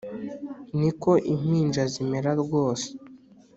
Niko impinja zimera rwose